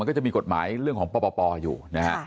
ก็จะมีกฎหมายเรื่องของปปอยู่นะฮะ